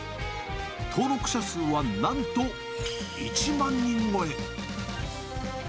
登録者数はなんと１万人超え。